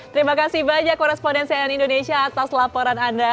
terima kasih banyak koresponden cnn indonesia atas laporan anda